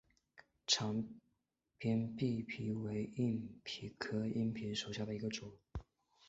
长蝠硬蜱为硬蜱科硬蜱属下的一个种。